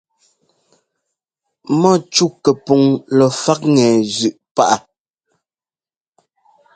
Mɔ́cú kɛpɔŋ lɔ faꞌŋɛ zʉꞌ páꞌ.